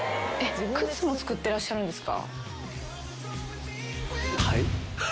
靴も作ってらっしゃるんですか？